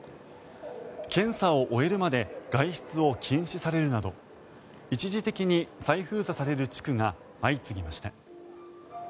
検査を終えるまで外出を禁止されるなど一時的に再封鎖される地区が相次ぎました。